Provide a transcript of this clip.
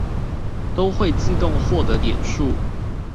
都會自動獲得點數